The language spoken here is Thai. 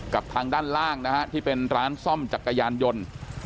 กับทางด้านล่างนะฮะที่เป็นร้านซ่อมจักรยานยนต์